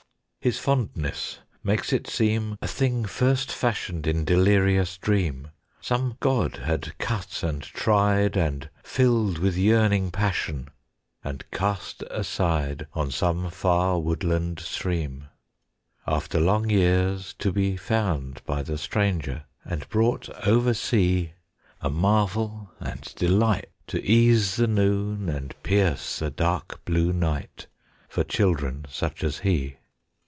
His fondness makes it seem A thing first fashioned in delirious dream, Some god had cut and tried, And filled with yearning passion, and cast aside On some far woodland stream, After long years to be Found by the stranger and brought over sea, A marvel and delight To ease the noon and pierce the dark blue night, For children such as he.